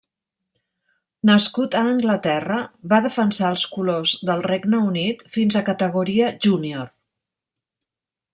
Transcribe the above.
Nascut a Anglaterra, va defensar els colors del Regne Unit fins a categoria júnior.